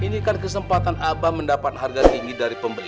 ini kan kesempatan abah mendapat harga tinggi dari pembeli